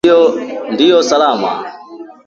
Ndio, usalama